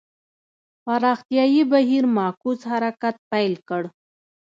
پراختیايي بهیر معکوس حرکت پیل کړ.